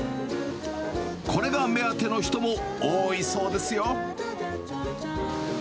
これが目当ての人も多いそうですよ。